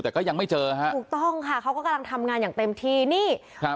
แต่ก็ยังไม่เจอฮะถูกต้องค่ะเขาก็กำลังทำงานอย่างเต็มที่นี่ครับ